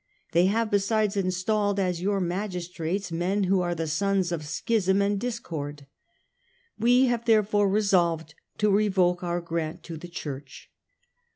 They have besides installed as your magistrates men who are the sons of schism and discord. We have therefore resolved to revoke our grant to the Church."